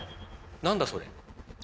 何だそれ？